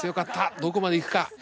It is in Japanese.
どこまで行くか？